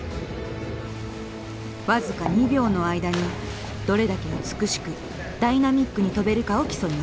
僅か２秒の間にどれだけ美しくダイナミックに飛べるかを競います。